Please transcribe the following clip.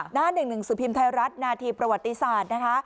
หน้า๑๑สุพิมพ์ไทยรัฐนาธีประวัติศาสตร์นะคะ